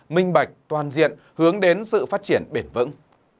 minh bạch toàn diện hướng đến sự phát triển bền vững